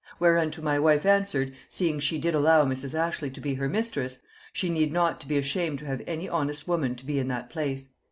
Whereunto my wife answered, seeing she did allow Mrs. Ashley to be her mistress, she need not to be ashamed to have any honest woman to be in that place.